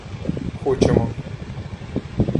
— Хочемо.